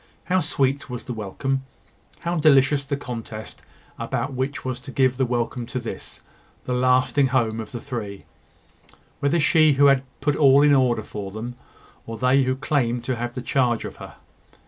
How sweet was the welcome! How delicious the contest about which was to give the welcome to this, the lasting home of the three whether she who had put all in order for them, or they who claimed to have the charge of her!